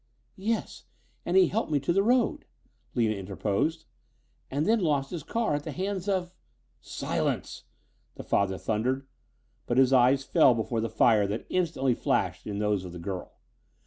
"Yes, and he helped me to the road," Lina interposed, "and then lost his car at the hands of " "Silence!" the father thundered. But his eyes fell before the fire that instantly flashed in those of the girl.